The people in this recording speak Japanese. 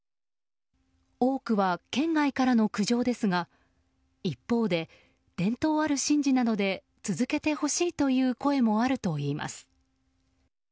多くは県外からの苦情ですが一方で、伝統ある神事なので続けてほしいという声もあるといいます。